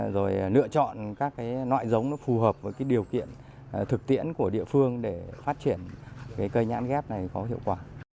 rồi lựa chọn các loại giống phù hợp với điều kiện thực tiễn của địa phương để phát triển cây nhãn ghép này có hiệu quả